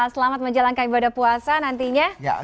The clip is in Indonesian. selamat menjalankan ibadah puasa nantinya